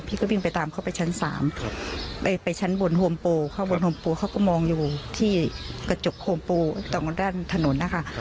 ก็วิ่งไปตามเขาไปชั้น๓ไปชั้นบนโฮมโปรข้างบนโฮมปูเขาก็มองอยู่ที่กระจกโฮมโปรตรงด้านถนนนะคะ